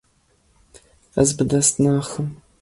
Ez bi dest naxim.